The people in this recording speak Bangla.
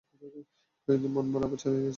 কয়েকদিন মনমরা থেকে আবার চালিয়ে গেছি।